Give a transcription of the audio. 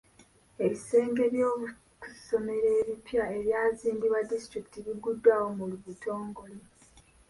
Ebisenge by'okusomeramu ebipya ebyazimbibwa disitulikiti, biguddwawo mu butogole.